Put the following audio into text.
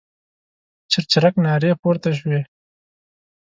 چرچرک نارې پورته شوې.